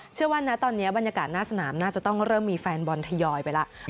เชื่อว่านะตอนนี้บรรยากาศหน้าสนามน่าจะต้องเริ่มมีแฟนบอลทยอยไปแล้ว